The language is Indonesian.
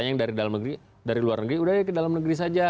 menggembalikan hartanya yang dari luar negeri sudah ya ke dalam negeri saja